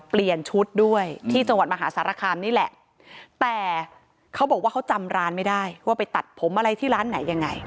เปลี่ยนชุดด้วยที่จังหวัดมหาสารคามนี่แหละแต่เขาบอกว่าเขาจำร้านไม่ได้ว่าไปตัดผมอะไรที่ร้านไหนยังไง